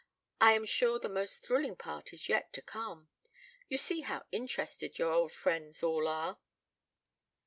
I am sure the most thrilling part is yet to come. You see how interested your old friends all are."